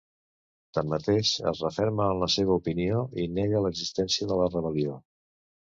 Tanmateix, es referma en la seva opinió i nega l’existència de la rebel·lió.